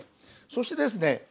そしてですね